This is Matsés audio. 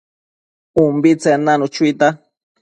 ubitsen nanu chuita